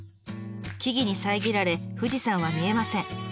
木々に遮られ富士山は見えません。